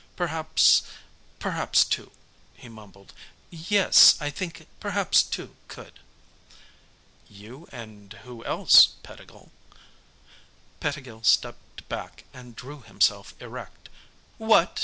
Perhaps perhaps two," he mumbled. "Yes, I think perhaps two could." "You and who else, Pettigill?" Pettigill stepped back and drew himself erect. "What?